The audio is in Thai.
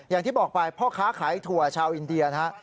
อย่างที่บอกไปพ่อค้าขายถั่วชาวอินเดียนะฮะ